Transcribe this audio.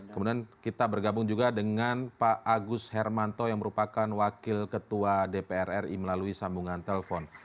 kemudian kita bergabung juga dengan pak agus hermanto yang merupakan wakil ketua dpr ri melalui sambungan telepon